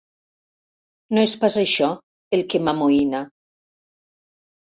No és pas això, el que m'amoïna.